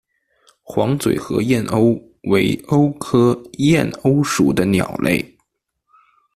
黄嘴河燕鸥为鸥科燕鸥属的鸟类。